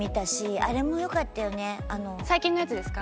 最近のやつですか？